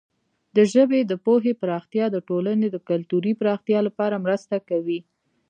د ژبې د پوهې پراختیا د ټولنې د کلتوري پراختیا لپاره مرسته کوي.